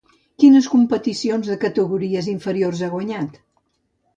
Quines competicions de categories inferiors ha guanyat?